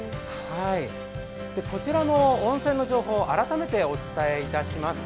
こちらの温泉の情報、改めてお伝えいたします。